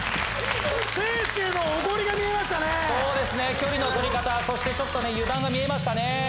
距離の取り方そして油断が見えましたね。